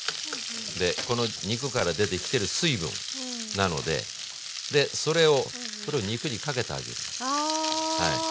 この肉から出てきてる水分なのででそれをこれを肉にかけてあげる。